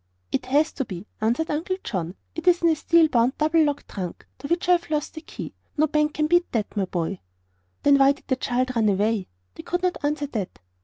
"It has to be," answered Uncle John. "It is in a steel bound, double locked trunk, to which I've lost the key. No bank can beat that, my boy." "Then why did the child run away?" They could not answer that.